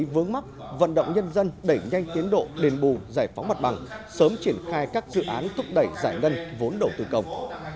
vướng mắt vận động nhân dân đẩy nhanh tiến độ đền bù giải phóng mặt bằng sớm triển khai các dự án thúc đẩy giải ngân vốn đầu tư công